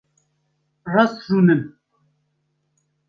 Rast rûnin.